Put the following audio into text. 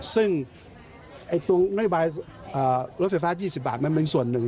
ซึ่งตรงนโยบายรถไฟฟ้า๒๐บาทมันเป็นส่วนหนึ่ง